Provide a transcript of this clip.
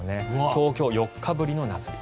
東京、４日ぶりの夏日。